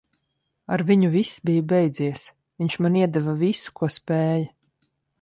Ar viņu viss bija beidzies. Viņš man iedeva visu, ko spēja.